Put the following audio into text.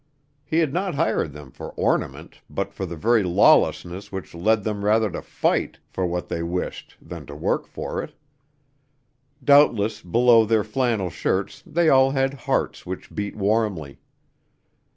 He had not hired them for ornament but for the very lawlessness which led them rather to fight for what they wished than to work for it. Doubtless below their flannel shirts they all had hearts which beat warmly.